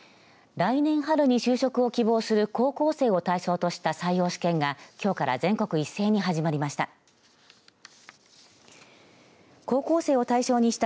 来年春に就職を希望する高校生を対象とした採用試験がきょうから全国一斉に始まりました。